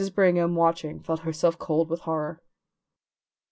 Brigham, watching, felt herself cold with horror.